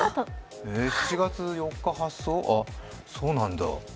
７月４日発送、あ、そうなんだ。